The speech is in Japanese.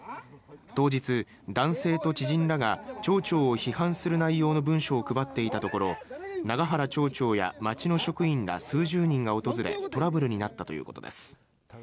当日、男性と知人らが町長を批判する内容の文書を配っていたところ永原町長や町の職員ら数十人が訪れトラブルになったということです。